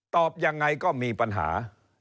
ตอบยังไงก็มีปัญหา